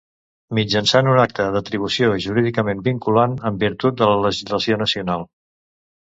Mitjançant un acte d'atribució jurídicament vinculant en virtut de la legislació nacional.